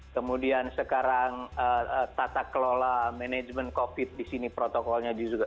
kemudian sekarang tata kelola manajemen covid di sini protokolnya juga